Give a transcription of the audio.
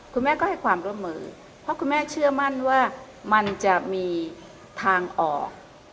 เพราะให้ความละมือเพราะคุณแม่เชื่อมั่นว่ามันจะมีทางออก